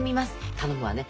頼むわね。